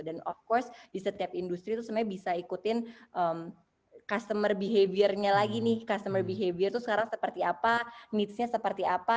dan of course di setiap industri tuh sebenarnya bisa ikutin customer behavior nya lagi nih customer behavior tuh sekarang seperti apa needs nya seperti apa